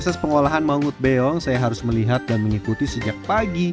proses pengolahan mangut beong saya harus melihat dan mengikuti sejak pagi